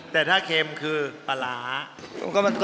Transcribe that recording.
แต่ถ้าเค็มคือปลาร้า